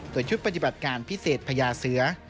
โดยชุดปฏิบัติการพิเศษพญาเสือ